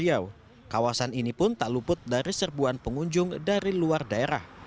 di riau kawasan ini pun tak luput dari serbuan pengunjung dari luar daerah